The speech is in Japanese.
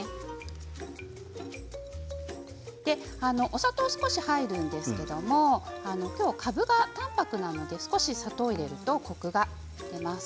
お砂糖が少し入るんですけれど今日はかぶが淡泊なので少し砂糖を入れるとコクが出ます。